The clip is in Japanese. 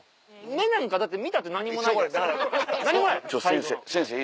目なんかだって見たって何もない何もない！